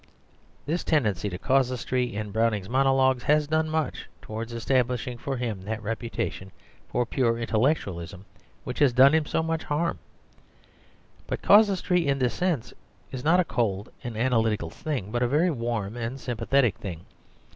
This tendency to casuistry in Browning's monologues has done much towards establishing for him that reputation for pure intellectualism which has done him so much harm. But casuistry in this sense is not a cold and analytical thing, but a very warm and sympathetic thing.